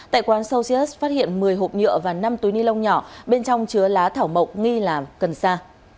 tại quán celsius phát hiện một mươi hộp nhựa và năm túi ni lông nhỏ bên trong chứa lá thảo mộng nghi là cân sa